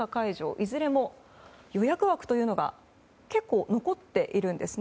いずれも予約枠というのが結構、残っているんです。